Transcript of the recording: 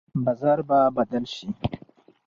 بازار به بدل شي.